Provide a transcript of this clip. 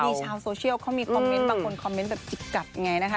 มีชาวโซเชียลเขามีคอมเมนต์บางคนคอมเมนต์แบบจิกกัดไงนะคะ